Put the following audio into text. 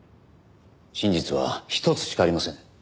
真実は一つしかありません。